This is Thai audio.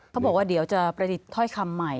เขาบอกว่าเดี๋ยวจะประดิษฐ์ถ้อยคำใหม่